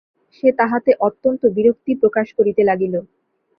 সে তাহাতে অত্যন্ত বিরক্তি প্রকাশ করিতে লাগিল।